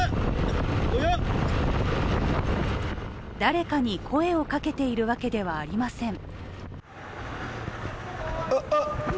誰かに声をかけているわけではありません。